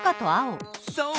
そう。